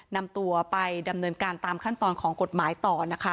นำตัวไปดำเนินการตามขั้นตอนของกฎหมายต่อนะคะ